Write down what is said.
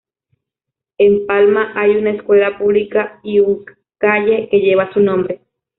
En Palma hay una escuela pública y un calle que llevan su nombre.